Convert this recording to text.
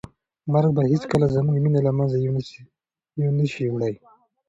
مرګ به هیڅکله زموږ مینه له منځه یو نه شي وړی.